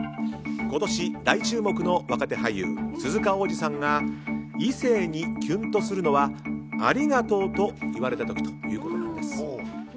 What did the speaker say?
今年、大注目の若手俳優鈴鹿央士さんが異性にキュンとするのはありがとうと言われた時ということなんです。